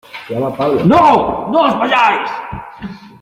¡ No, no os vayáis!